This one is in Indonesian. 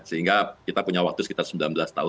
sehingga kita punya waktu sekitar sembilan belas tahun